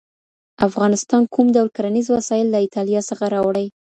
افغانستان کوم ډول کرنیز وسایل له ایټالیا څخه راوړي؟